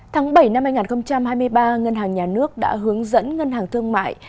tháng bảy năm hai nghìn hai mươi ba ngân hàng nhà nước đã hướng dẫn ngân hàng thương mại